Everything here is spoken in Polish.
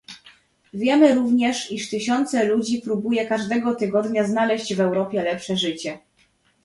Wiemy również, iż tysiące ludzi próbuje każdego tygodnia znaleźć w Europie lepsze życie